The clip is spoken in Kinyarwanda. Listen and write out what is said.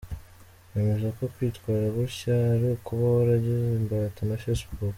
Bemeza ko kwitwara gutya ari ukuba waragizwe imbata na facebook.